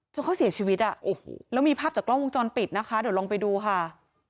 เขาเสียชีวิตอ่ะโอ้โหแล้วมีภาพจากกล้องวงจรปิดนะคะเดี๋ยวลองไปดูค่ะ